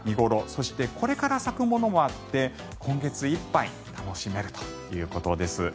そしてこれから咲くものもあって今月いっぱい楽しめるということです。